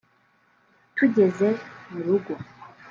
tugeze mu rugo